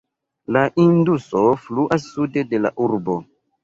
La Induso fluas sude de la urbo.